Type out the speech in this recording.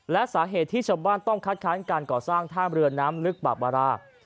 และสาเหตุที่ชาวบ้านต้องคัดค้านการก่อสร้างท่ามเรือน้ำลึกป่าบารา